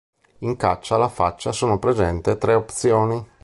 In Caccia alla faccia sono presenti tre opzioni.